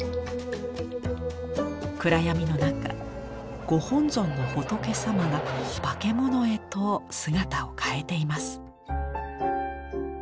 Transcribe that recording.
暗闇の中ご本尊の仏さまが化け物へと姿を変えています。